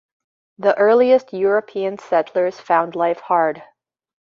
The earliest European settlers found life hard.